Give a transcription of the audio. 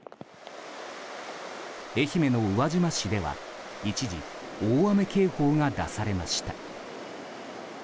愛媛の宇和島市では一時、大雨警報が出されました。